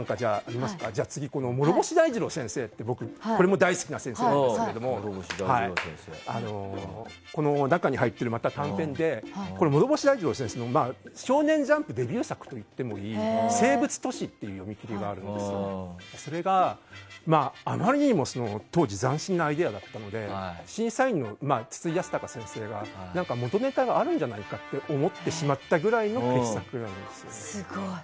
次、諸星大二郎先生というこれも大好きな先生なんですけどこれもまた短編で諸星大二郎先生の「少年ジャンプ」デビュー作といってもいい「生物都市」という読み切りがあるんですけどこれが、あまりにも当時斬新なアイデアだったので審査員の筒井康隆先生が元ネタがあるんじゃないかと思ってしまったぐらいの傑作なんですよね。